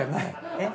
えっ？